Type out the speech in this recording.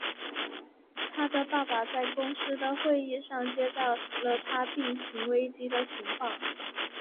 他的爸爸在公司的会议上接到了他病情危机的情况。